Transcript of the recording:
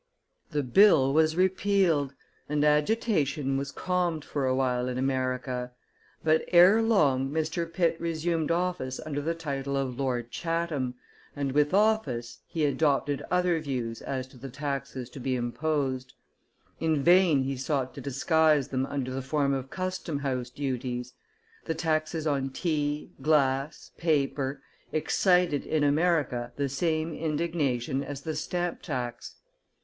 The bill was repealed, and agitation was calmed for a while in America. But ere long, Mr. Pitt resumed office under the title of Lord Chatham, and with office he adopted other views as to the taxes to be imposed; in vain he sought to disguise them under the form of custom house duties; the taxes on tea, glass, paper, excited in America the same indignation as the stamp tax.